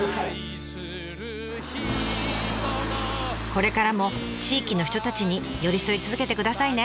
これからも地域の人たちに寄り添い続けてくださいね。